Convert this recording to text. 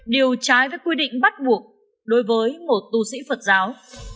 điều trái với quy định bắt buộc đối với một tu sĩ phật giáo